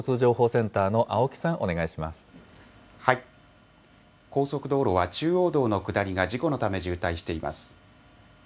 日本道路交通情報センターの青木高速道路は中央道の下りが事故のため渋滞しています。